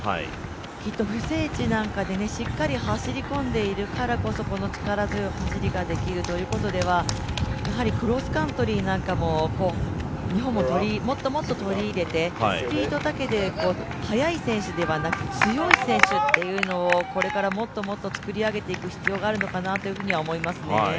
きっと不整地なんかでしっかり走り込んでいるからこそこの力強い走りができるということでは、クロスカントリーなんかも日本ももっともっと取り入れて、スピードだけで速い選手だけではなくて、強い選手っていうのをこれからもっと作り上げていく必要があるのかなと思いますね。